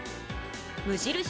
無印